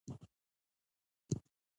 خو هغه د پیسو له کمښت سره مخامخ کېږي